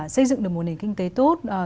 xây dựng được một nền kinh tế tốt